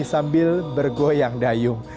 sambil bergoyang dayung